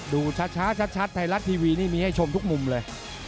ดูช้าชัดไทยรัฐทีวีนี่มีให้ชมทุกมุมเลย